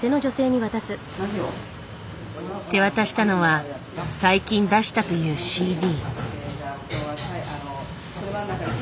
手渡したのは最近出したというＣＤ。